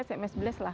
sms blast lah